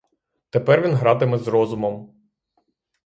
Тепер він гратиме з розумом.